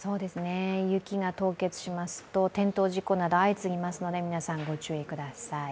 雪が凍結しますと、転倒事故など相次ぎますので、皆さん、ご注意ください。